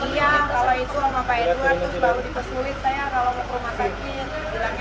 iya kalau itu sama pak edward baru dipersulit saya